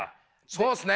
そうっすね。